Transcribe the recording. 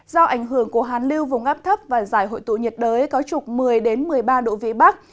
do ảnh hưởng của hàn lưu vùng ấp thấp và giải hội tụ nhiệt đới có trục một mươi một mươi ba độ vn